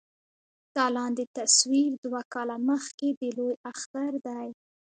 دا لاندې تصوير دوه کاله مخکښې د لوئے اختر دے